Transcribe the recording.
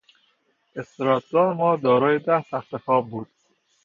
استراحتگاه ما دارای ده تختخواب بود.